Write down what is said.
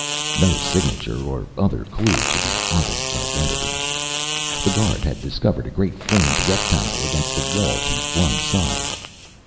_ No signature or other clue to the artist's identity. The guard had discovered a great framed rectangle against the wall to one side.